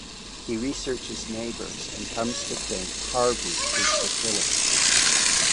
He researches neighbors and comes to think Harvey is the killer.